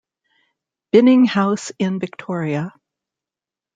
Binning house in Victoria.